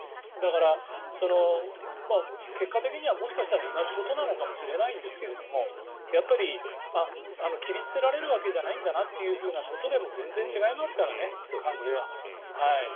だから、結果的にはもしかしたら同じことなのかもしれないんですがやっぱり切り捨てられるわけじゃないんだなということでも全然違いますからね、感じは。